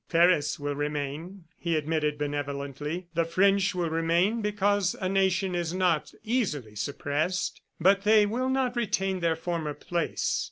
"Paris will remain," he admitted benevolently, "the French will remain, because a nation is not easily suppressed; but they will not retain their former place.